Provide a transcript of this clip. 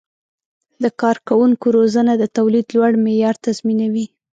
د کارکوونکو روزنه د تولید لوړ معیار تضمینوي.